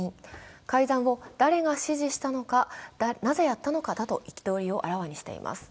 改ざんを誰が指示したのか、なぜやったのかだと憤りをあらわにしています。